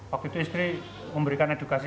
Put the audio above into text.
waktu itu istri memberikan edukasi